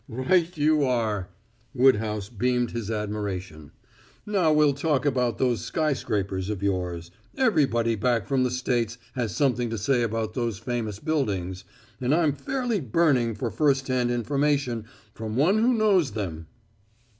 "Right you are!" Woodhouse beamed his admiration. "Now we'll talk about those skyscrapers of yours. Everybody back from the States has something to say about those famous buildings, and I'm fairly burning for first hand information from one who knows them."